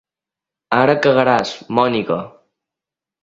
Ara cagaràs, Mònica!